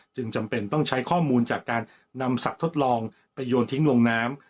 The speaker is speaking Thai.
จำเป็นต้องใช้ข้อมูลจากการนำสัตว์ทดลองไปโยนทิ้งลงน้ำ